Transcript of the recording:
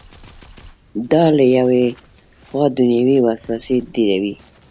دا له یوې خوا دنیوي وسوسې ډېروي.